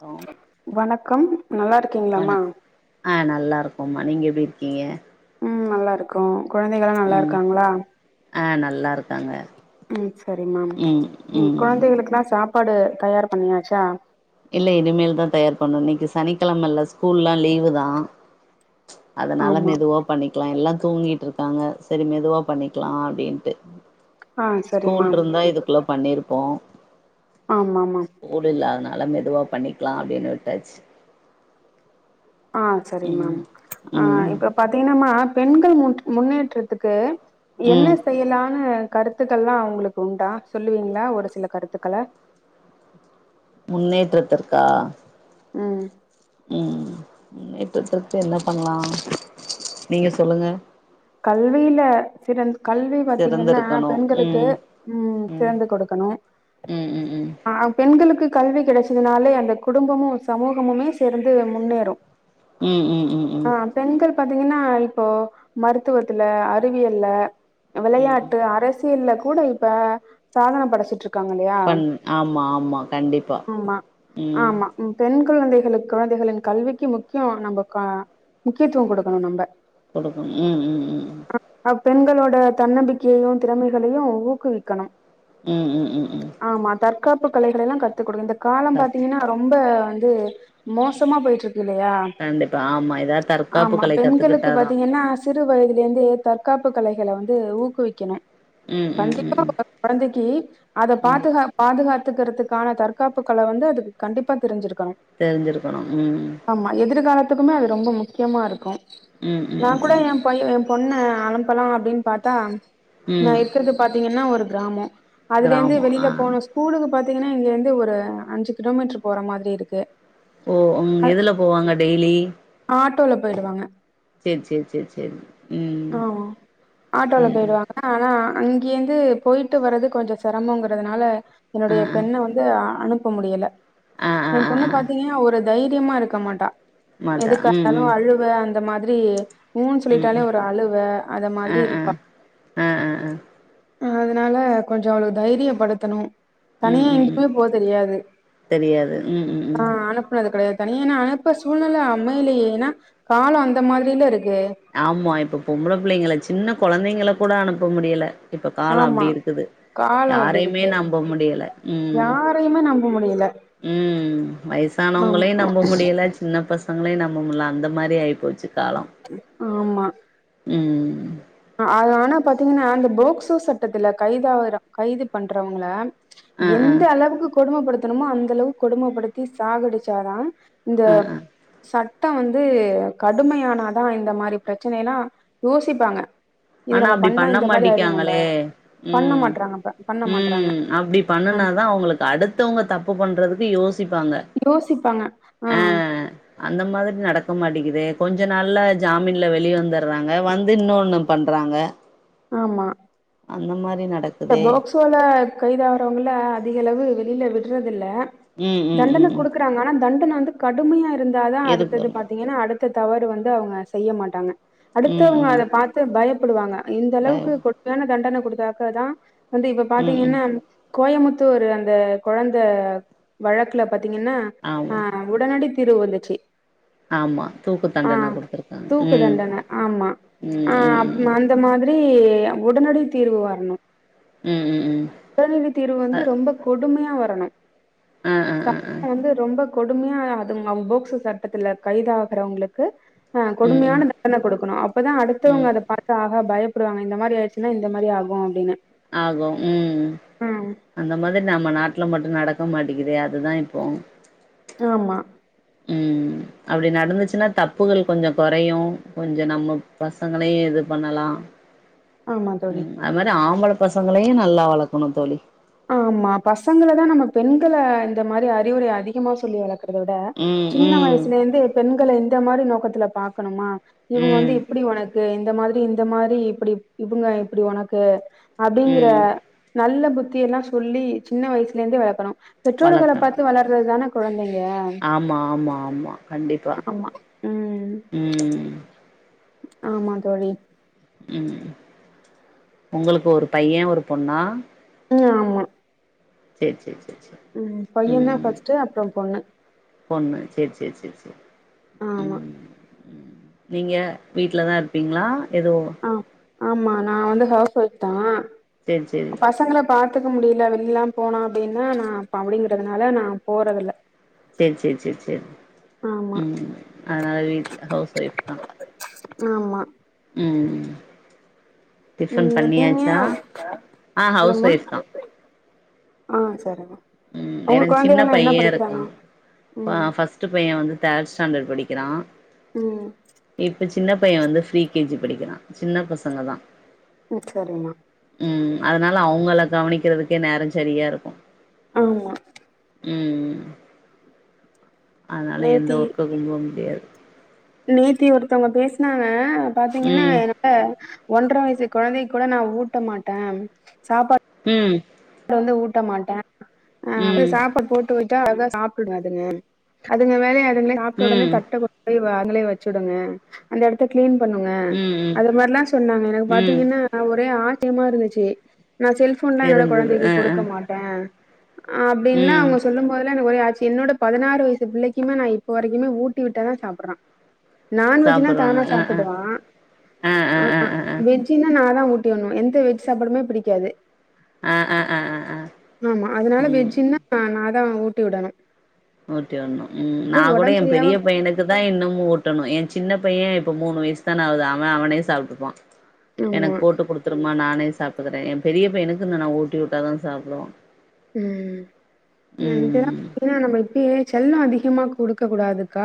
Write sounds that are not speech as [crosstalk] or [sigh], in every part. Hello வணக்கம் நல்லா இருக்கீங்களாமா ஆஹ் நல்லா இருக்கோம்மா நீங்க எப்படி இருக்கீங்க நல்லாயிருக்கோம் குழந்தைகள்லாம் நல்லா இருக்காங்களா அஹ் நல்லா இருக்காங்க உம் சேரிமாம் ம் ம் குழந்தைகளுக்கு சா சாப்பாடு தயார் பண்ணியாச்சா இல்ல இனிமேல தா தயார் பண்ணு இன்னக்கு சனிக்கிழமள ஸ்கூல எல்லா லீவு தான் அதனால ஆமா மெதுவா பண்ணிக்கலா எல்லா தூங்கிட்டு இருக்காங்க சேரி மெதுவா பண்ணிக்கலா அப்பிடின்ட்டு ஆ சரி ஸ்கூல் மேம் இருந்தா இதுக்குள்ள பண்ணிருப்போ ஆமா மேம் ஸ்கூல் இல்லாதனால அதனால மெதுவாவே பண்ணிக்கலானு அப்டினு விட்டாச்சு ஆஹ சரிங்க ம் மேம் ஆஹ ம் இப்ப பாத்தீங்கின்னமா பெண்கள் முன்னேற்றத்துக்கு என்ன ம் செய்யலானு கருத்துக்கள் உங்களுக்கு உண்டா சொல்லுவீங்களா ஒரு சில கருத்துக்கள முன்னேற்றத்திருக்கா உம் உம் முன்னேற்றத்திற்கு என்ன பண்ணலா நீங்க சொல்லுங்க கல்வியில சிறந்த கல்வி பாத்தீங்கின்னா சிறந்திருக்கணு பெண்களுக்கு ம் உம் ம் சிறந்து கொடுக்கணு ம் ம் ம் ம் அஹ பெண்களுக்கு கல்வி கிடைச்சதுனாலே அந்த குடும்பமு சமூகமுமே சேர்ந்து முன்னேறு உம் உம் உம் உம் பாத்தீங்கின்னா இப்போ மருத்துவத்துல அறிவியல்ல ம் ம் விளையாட்டு அரசு இல்ல கூட இப்ப சாதன படைச்சிட்டு இருக்கு பண் ஆமா ஆமா கண்டிப்பா ஆமா உம் ஆமா ம், பெண் குழந்தைகளுக்கு குழந்தைகளின் கல்விக்கு முக்கிய நம்ப முக்கியத்துவ கொடுக்கணு நம்ப கொடு உம் உம் உம் அ பெண்களோட தன்னம்பிக்கையையு திறமைகளையு ஊக்குவிக்கணு உம் உம் உம் உம் ஆமா தற்காப்பு களைகள எல்லா கத்துக் கொடுங்க இந்த காலம் பாத்தீங்கின்னா ரொம்ப மோசமா போயிட்டு இருக்கு இல்லையா கண்டிப்பா ஆமா எதா தற்காப்பு ஆமா களை பெண்களுக்கு கத்துக்கிட்டாதா பாத்தீங்கன்னா சிறு வயதுல இருந்து தற்காப்பு கலைகளை வந்து ஊக்குவிக்கணு ம் ம் ம் கண்டிப்பா ம் குழந்தைக்கி அத ம் பாதுகா பாதுகாத்து கத்துகிறதுக்கான தற்காப்பு கள வந்து அதுக்கு கண்டிப்பா தெரிஞ்சிருக்கு தெரிஞ்சிருக்கணு உம் மொத்தத்துக்குமே அது ரொம்ப முக்கியமாக இருக்கும் உம் உம் உம் கூட என் பையன் என் பொண் பொண்ணு அனுப்பலாம் அப்டின்னு பார்த்தா ம் நான் இருக்கறது பாத்தீங்கன்னா ஒரு கிராமம் அதுல இருந்து கிராமோ ஆ வெளியில போன ஸ்கூலுக்கு பாத்தீங்கன்னா இங்க இருந்து ஒரு அஞ்சு கிலோமீட்டர் போற மாரி இருக்கு ஓ உம் எதுல போவாங்க டெய்லி ஆட்டோல போயிடுவாங்க சேரி சேரி சேரி ம் ஆஹ் ஆட்டோல ம் ம் போயிடுவாங்க ஆனா அங்கேயிருந்து போய்ட்டு வரறது கொஞ்சம் சிரமங்கிறதுனால ஆ என்னுடைய ஆ பெண்ண வந்து அனுப் போ முடியல ஆ ஆ என் ஆ பொண்ணு ஆ பாத்தீங்க ஒரு தைரியமா இருக்க மாட்டா மாட்டா ம் ம் எதுக்கானாலும் அழுவ அ இந்த மாதிரி உன்னு ம் சொல்லிட்டாலே ம் ஒரு அழுவ அத ஆ மாதிரி ஆ இருப்பா ஆ ஆ ஆ ஆஹ் அதனால கொஞ்சம் அவள தைரியப்படுத்தணும் ம் தனியா ம் ம் எங்கயுமே போக தெரியாது தெரியாது ம் ம் ம் ஆஹ் அனுப்புனது கிடையாது தனியான அனுப்ப சூழ்நிலை அமையலேன்னா காலம் அந்த மாரியில இருக் ஆமா இப்ப பொம்பள பிள்ளைங்கள சின்ன குழந்தைங்கள கூட அனுப்ப முடியல இப்ப காலம் ஆமா. அப்படி இருக்குது காலம் அப்டி யாரையுமே இருக்கு. நம்ப முடியலை உம் யாரையுமே நம்ப முடியல. உம் ஆமா, வயசானவங்களையும் நம்ப முடியல சின்ன பச பசங்களே நம்ப முடியல அந்த மாரி ஆயி போச்சு காலம் ஆமா உம் ஆஹ் அத ஆனா பாத்தீங்கன்னா அந்த போக்சோ சட்டத்துல கைதாகுற கைது பண்றவங்கள ஆ ஆ எந்த அளவுக்கு கொடுமைப்படுத் முடியுமோ அந்த அளவுக்கு கொடுமைப்படுத்தி சாகடிச்சாதான் இந்த ஆ ஆ சட் மொத்தம் வந்து கடுமையானாதான் இந்த மாதிரி பிரச்சனை எல்லாம் யோசிப்பாங்க இது ஆனா நம்ம அப்படி பண்ணா பண்ண இந்த மாரி ஆயிடுவோ நம்ப மாட்டக்காங்களே பண்ண உம் மாட்றாங்க இப்ப பண்ண மாட்றாங்க உம் அப்படி ஆ பண்ணுனாதான் அவங்களுக்கு அடுத்தவங்க தப்பு பண்றதுக்கு யோசி யோசிப்பாங்க ஆஹ் அந்த மாரி நடக்க மாட்டேக்குது கொஞ்ச நாள்ல ஜாமீன்ல வெளில வந்துடுறாங்க வந்து இன்னொன்னு பண்ணுறாங்க ஆமா அந்த மாரி இந்த நடக்குதே போக்சோல கைதாவறவங்கள அதிக அளவு இல்ல விடுறது இல்ல ம் ம் தண்டன ம் கொடுக்குறாங்க ஆனா தண்ட வந்து கடுமையா இரு இருந்தா தான் அடுத்தது இருக்கணு பாத்தீங்கன்னா அடுத்த தவறு வந்து அவங்க செய்ய மாட்டாங்க ம் அடுத்தவங்க ம் அத பாத்து பயப்படுவாங்க இந்த பய அளவுக்கு கொடுமையான தண்டன கொடுத்தாக்க தான் வந்து இப்ப ம் ம் பாத்தீங்கன்னா கோயமுத்தூர் அந்த கொழந்த வழக்குல பாத்தீங்கன்னா ஆமா ஹ உடன இது வந்துச்சு ஆமா தூக்கு ஆ தண்டன குடுத்தருக்காங்க தூக்கு உம் தண்டன ஆமா. ஆ உம் உம் உம் அந்த மாதிரி உடனடி தீர்வு வரணும் ம் ம் ம் உடனடி தீர்வு வந்து ரொம்ப கொடுமையா வரணும் ஆ ஆ ஆ ஆ சத்தம் வந்து ரொம்ப கொடுமையா அது அவ போக்சோ சட்டத்துல கைதாகுறவங்களுக்கு ஆஹ் ம் கொடுமையான ம் தண்டன கொடுக்கணும் அப்பதான் அடுத்தவங்க ம் அத பாத்த ஆக பய கொடுவங்க இந்த மாதி ஆயிடுன்னா இந்த மாரி ஆகும் அப்படின்னு ஆகும் உம் அந்த மாதிரி நம்ம நாட்டுல மட் நடக்க மாட்டேங்கிறே அதுதான் இப்போ ஆமா உம் அப்படி நடந்துச்சுன்னா தப்புகள் கொஞ்சம் குறையும் கொஞ்சம் நம்ம பசங்களையும் இது பண்ணலாம் ஆமா தோழி உம் அது மாதிரி ஆம்பளை பசங்களையும் நல்லா வளக்கணும் தோழி ஆமா பசங்களதான் நம்ம பெண்கள இந்த மாதிரி அறிவுரை அதிகமா சொல்லி வளக் கறத விட ம் சின்ன ம் வயசுல இருந்து பெண்கள இந்த மாதிரி நோக்கத்த த்ல பாக்கணுமா இவங்க ம் வந்து இப்படி உனக் இந்த மாதிரி இந்த மாதிரி இப்படி இவங்க இப்படி ஒனக்கு அப்படிங்கற ம் நல்ல புத்தி எல்லாம் சொல்லி சின்ன வயசுலே இருந்தே வளக்கணும் பெற்றோர்கள வளக்கணு பாத்து வளர்றது தானப் குழந்தங்க ஆமா ஆமா ஆமா கண்டிப்பா ஆமா ம் உம் ஆமா தோழி உம் உங்களுக்கு ஒரு பையன் ஒரு பொண்ணா உம் ஆமா செரி செரி உம் பையன் தான் ஃப்ஸ்ட் அப்புறம் பொண்ணு பொண்ணு சரி சரி சரி சரி ஆமா உம் உம் நீங்க வீட்லதான் இருப்பீங்களா எதுவும் ஆ ஆமா நான் வந்து ஹவுஸ் ஒய்ப் தான் சேரி சேரி பாத்துக்க முடியல வெளிலல்லாம் போனா அப்படின்னா நான் அப்படிங்கறதுனால நான் போறதில்லை சேரி சேரி சேரி சேரி ஆமா உம் அதனால வீட்டுல ஹவுஸ் ஒய்ப் தான் ஆமா உம் டிபன் ம் நீங்க பண்ணியாச்சா ஆஹ் ஹவுஸ் ஒய்ப் தான் ஆஹ் சரிங்க உம் உங்க எனக்கு சின்ன கொழந்தைகள்லா என்ன பையன் படிக்கிறாங்க இருக்கான் ம் ஃப்ஸ்ட் பையன் வந்து தேட் ஸ் டாண்டட் படிக்கிறான் ம் இப்ப சின்ன பையன் வந்து ப்ரீ கேஜி படிக்கிறான் சின்ன பசங்க தான் ம் சரிமா உம் அதனால அவங்கள கவனிக்கிறதுக்கே நேரம் சரியா இருக்கும் ஆமா ம் அதனால எந்த நேத்தி ஒர்க்குக்கு போக முடியாது நேத்தி ஒருத்தவங்க பேசனாங்க பாத்தீங்கன்னா ம் என்னோட ஒன்ற வயசுக் கொழந்தை கூட நான் ஊட்ட மாட்டேன் சாப்பா ம் வந்து ஊட்ட மாட்டேன் ஆஹ் அது ம் சாப்பாடு போட்டு வை ஞ்சா அத சாப்பிட்டுங்க அதுங்க அதுங்க வேலைய சாப்பிட்ட உடனே ம் [unintelligible] அங்கயே வச்சுடுங்க அந்த இடத்த கிளீன் பண்ணுங்க ம் ம் அது மாதிரிலாம் சொன்னாங்க எனக்கு ம் பாத்தீங்கன்னா ஒரே ஆள் டீமா இருந்துச்சு நான் செல்போன்ல என்னால இருந்தது குழந்தைக்கு அ அ கொடுக்க மாட்ட அப்டின்னா ம் அவங்க சொல்லும்போது எனக்கு ஒரே ஆச்சர்ய என்னோட பதினாறு வயசு பிள்ளைக்குமே நான் இப்ப வரைக்கும் ஊட்டி விட்டா தான் சாப்பிடுறான் நான் வெஜினா சாப்புட்றாங்க தானா அ அ சாப்பிடுவான் ஆ ஆ ஆ ஆஹ ஆ ஆ வெஜ்ஜா நா நான்தான் ஊட்டி விடணும் எந்த வெஜ் சாப்பாடுமே பிடிக்காது ஆ ஆ ஆ ஆ ஆ ஆமா அதனால ம் வெஜ்ஜன்னா நானா நான் தான் ஊட்டி விடணும் ஊட்டி விடணும் ஆஹ் நா கூட என் பெரிய சரியாம பையனுக்கு தான் இன்னும் ஊட்டனும் ஏன் சின்ன ஏன் இப்ப மூணு வயசு தானே ஆகுது அவன் அவனே சாப்டுப்பான் ஆமா எனக்கு போட்டு கொடுத்துருமா நானே சாப்டுகிறேன் என் பெரிய பையனுக்கு நான் ஊட்டி விட்டா தான் சாப்பிடுவான் ம் [unintelligible] ம் இப்பவே செல்லம் அதிகமா கொடுக்க கூடாது அக்கா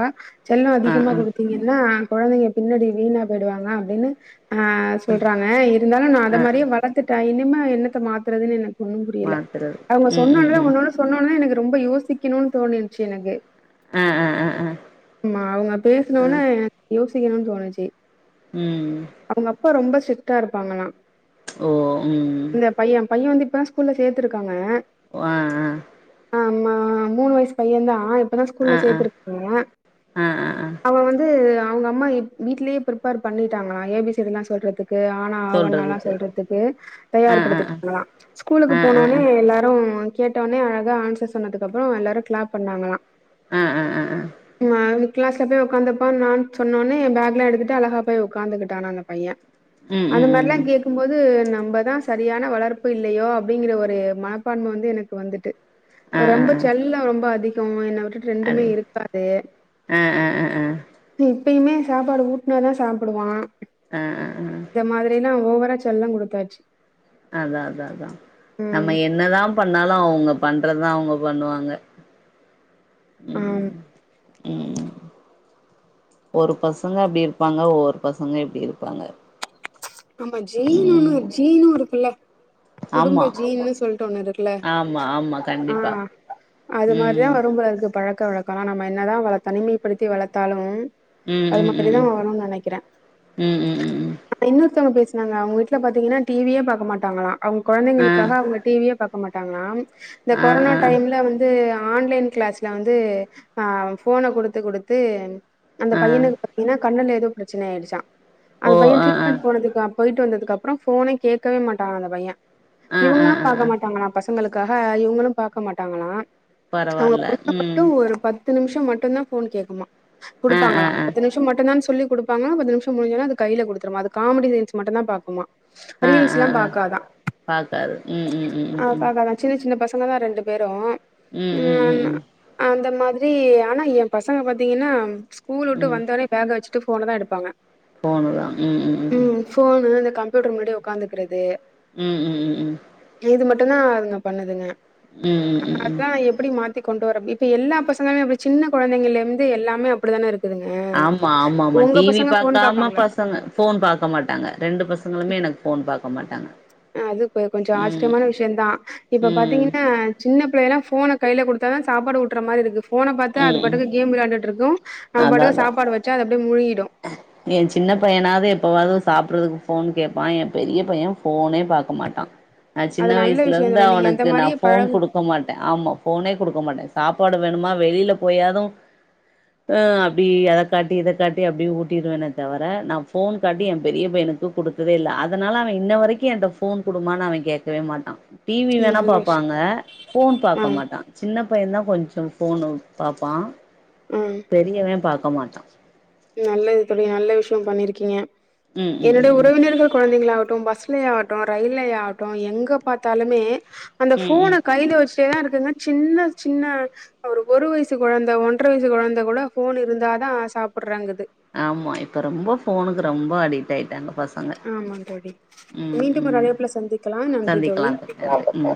செல்லம் ஆ அதிகமா ஆ கொடுத்தீங்கன்னா குழந்தைங்க பின்னாடி வீணா போயிடுவாங்க அப்படின்னு ஆஹ் சொல்றாங்க இருந்தாலும் நான் அந்த ஆ ஆ மாதிரியே வளர்த்துட்ட இனிமே என்னத்த மாத்துறது எனக்கு ஒன்னும் புரியல மாத்துறது அவங்க ம் ம் சொன்னோனதா ம் ஒன்னு ஒன்னு சொன்னோனதா எனக்கு ரொம்ப யோசிக்கணும்னு தோனிருச்சி எனக்கு ஆ ஆ ஆ ஆ ஆமா அவங்க ஆ பேசினோன யோசிச்சி சீக்கிரம் தோணுச்சு ம் அவங்க அப்பா ரொம்ப ஸ் ஸ்டிக்டா இருப்பாங்களாம் ஓ உம் இப்ப ஸ்கூல்ல சேர்த்திருக்காங்க ஆஹ் ஆஹ் ஆமா மூணு வயசு பையன் தான் இப்ப தான் ஸ்கூல்ல ஆ ஆ சேர்த்திருக்கா ஆ ஆ ஆ அவன் வந்து அவங்க அம்மா வீட்லேயே பிரிப்பர் பண்ணிட்டாங்களா ஏபிசிடி எல்லாம் சொல்றதுக்கு அனா ஆவன் எல்லாம் சொல்றதுக்கு சொல்றதுக்கு ஆ ஆ ஆ தயார்படுத்திட்டாங்கலாம் ஸ்கூலுக்கு ஆ ஆ போனோனே ஆ எல்லாரும் உம் கேட்ட உனே அழகா ஆன்சர் சொன்னதுக்கப்புறம் எல்லாரும் கிளாப் பண்ணாங்களாம் ஆ ஆ ஆ மாவு கிளாஸ்ல போய் உட்காந்தப்ப நான் சொன்னே பேக்லாம் எடுத்துட்டு அழகா போய் உக்காந்துக்கிடானான் அந்த பையன் அந்த மாரில்லாம் கேட்கும் போது நம்பதான் சரியான வளர்ப்பு இல்லையோ அப்படிங்கிற ஒரு மன பான்மை வந்து எனக்கு வந்துட்டு ரொம்ப செல்ல ரொம்ப அதிக என்ன ரெண்டுமே இருக்காது உம் எப்பயுமே சாப்பாடு ஊட்டினா தான் சாப்பிடுவான் ஆஹ ஆஹ ஆஹ என்ன ஓவரா செல்லம் கொடுத்தாச்சு அதான் அத அதான் நம்ம என்னதான் பண்ணாலும் அவங்க பண்றதான் அவங்க பண்ணுவாங்க உம் ஆம். உம் ஒரு பசங்க அப்படி இருப்பாங்க ஒவ்வொரு பசங்க இப்படி இருப்பாங்க ஆமா ஜீனுன்னு ம் ஜீனும் புல்லா குடும்ப ஆமா ஜீன்னு சொல்லிட்டு ஒண்ணு இருக்குல ஆமா ஆமா கண்டிப்பா ஆஹ் அது ம் மாதிரிதான் வரும்போல இருக்கு பழக்கம் காலம் நம்ம என்னதான் தனிமைப்படுத்தி வளர்த்தாலும் ம் அது ம் ம் ம் மாரிதான் வரும்னு நினைக்கிறேன் ம் ம் ம் ம் இன்ன ங்க பேசாங்க வீட்டுல பார்த்தீங்கன்னா டிவியே பார்க்க மாட்டாங்களா அவங்க ஆ கெழந்தைங்கக்காக அவங்க டிவியே ப பாக்கமாட்டாங்களா இந்த ஆ கொரோனா ஆ டைம்ல வந்து ஆன்லைன் கிளாஸ்ல வந்து ஆஹ் போன கொடுத்து கொடுத்து அந்த ஆ பையனுக்கு பார்த்தீங்கன்னா கண்ணல எதோ பிரச்சனையாச்சாம் ஓ அந்த பையன் ஆ ஆ டீரிட்மென்ட் போயிட்டு வந்ததுக்கு அப்புறம் போனை கேக்கவே மாட்டான அந்த பையன் ஆ ஆ இவங்களும் பார்க ஆ மாட்டாங்களாம் பசங் பசங்களுக்காக இவங்களும் பார்க்க மாட்டாங்களா அவங்க பரவால்ல பொண்ணு ம் மட்டும் ஒரு பத்து பத்து நிமிஷம் மட்டும்தான் போன் கேக்குமா ஆ ஆ குடுப்பாங்களா ஆ பத்து நிமிஷம் மட்டும்தான் சொல்லி கொப்பாங்கா பத்து நிமிஷம் முடிஞ்சது கையில கொடுத்து மாது காமெடி சைன்ஸ் மட்டும் தான் பாக்குமா ஆ ரீல்ஸ் ஆ எல்லாம் ஆ பாக்காதான் பாக்காது ம் ம் ம் ஆஹ் ம் ம் பாக்காதான் சின்ன சின்ன பச அங்கே தான் ரெண்டு பேரும் ம் ம் உம் ம் அந்த மா மாரி ஆனா என் பசங்க பார்த்தீங்கன்னா ஸ்கூல் விட்டு வந்த உடனே பேகவச்சு போன தான் எடுப்பாங்க போனலாம் உம் உம் உம் போனு கம்ப்யூட்டர் முன்னாடி உட்காந்துக்கிறது உம் உம் உம் உம் டும் தான் அதுங்க பண்ணுதுங்க உம் உம் உம் உம் அதா எப்டி மாத்தி கொண்டு வர இப்ப எல்லா பசங்களும் அப்படி சின்ன குழந்தைங்க இருந்து எல்லாமே அப்படிதான இருக் ஆமா ஆமா ஆமா டிவி ஃபோன் பார்க்காம பாப்பாங்களா பசங்க போன் பார்க்க மாட் டாங்க ரெண்டு பசங்களுமே எனக்கு போன் பண்ண பார்க்க மாட்டாங்க அது இ கொஞ்சம் ம் ஆச்சரியமான விஷயம் தான் இப்ப ம் பாத்தீங்கன்னா சின்ன இப்பலாம் போனை கையில கொடுத்த தான் சாப்படு வுட்டற மாரி இருக்கு போனை பார்த்து அது ம் பட்டுக்கு கேம் விளையாண்டுட்டு இருக்கும் நம் பாட்டுக்கு சாப்பாடு வச்சா அத என் சின்ன பையனாவது எப்பாவது சாப்படுறதுக்கு போன் கேட்பான் என் பெரிய பையன் போனே பார்க்க மாட்டான் நா சின்ன அது நல்ல வயசுல விஷயோ இருந்து தோழி நீங்க அந்த அவனுக்கு மாரியே நான் போன் பழகு கொடுக்க மாட்டேன் ஆமா போனே கொடுக்க மாட்டேன் சாப்பாடு வேணுமா வெளியில போயாதும் ஹ அப்படி அத காட்டி இத காட்டி அப்படிய ஊட்டிடுவேன்ன தவிர நான் போன் காட்டி என் பெரிய பையனுக்கு குடுத்ததே இல்லை அதனால அவன் இன்ன வரைக்கும் என் போன் குடுமான்னு அவன் கேட்கவே மாட்டான் டிவி ம் வேணா நல்ல விஷயோ பாப்பாங்க போன் ஆ பாக்க மாட்டான் சின்ன பையன தான் கொஞ்சம் போனு பாப்பான் ஆ பெரியவேன் பா கா மாட்டான் நல்லது தோழி நல்ல விஷ்யம் பண்ணியிருக்கீங்க ம் ம் ம் என்னுடைய ம் உறவினர்கள் கொழந்தைங்களா ட்டும் பஸ்ல ஆகட்டு ரயில்லயாகட்டு எங்க பாத்தாலுமே அந்த ம் ம் ஃபோன கைல வச்சுட்டேதா இருக்குங்க சின்ன சின்ன ஒரு ஒரு வயசு கொழந்த ஒன்ற வயசு கொழந்த கூட ஃபோன் இருந்தா தா சாப் ப்புர்றாங்குது ஆமா இப்ப ரொம்ப ஃபோனுக்கு ரொம்ப அடிக்ட் ஆயிட்டாங்க பசங்க ஆமா தோழி ம் மீண்டும் ஒரு ம் அழைப்புல சந்திக்கலாம் நன்றி சந்திக்கலா தோழி நன்றி ம்